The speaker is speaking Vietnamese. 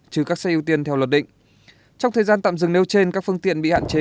chứ các xe ưu tiên theo luật định trong thời gian tạm dừng nêu trên các phương tiện bị hạn chế